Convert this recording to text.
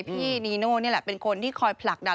พี่นีโน่นี่แหละเป็นคนที่คอยผลักดัน